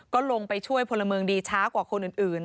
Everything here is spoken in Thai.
ก็ลงไปช่วยพลเมืองดีช้ากว่าคนอื่น